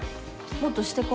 もっとしてこ。